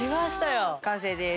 完成です。